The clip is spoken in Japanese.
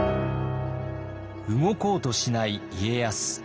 動こうとしない家康。